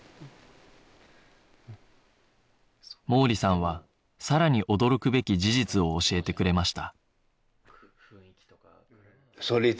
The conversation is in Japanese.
毛利さんはさらに驚くべき事実を教えてくれました